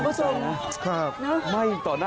คุณผู้ชม